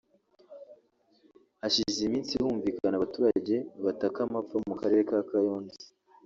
Hashize iminsi humvikana abaturage bataka amapfa mu Karere ka Kayonza